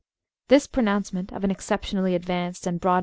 This pronouncement of an exceptionally advanced and broad